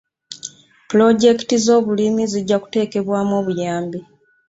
Pulojekiti z'obulimi zijja kuteekebwamu obuyambi.